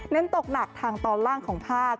ตกหนักทางตอนล่างของภาค